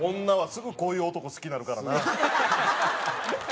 女はすぐこういう男好きになるからな。